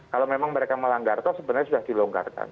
kalau memang mereka melanggar toh sebenarnya sudah dilonggarkan